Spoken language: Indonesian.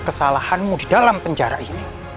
kesalahanmu di dalam penjara ini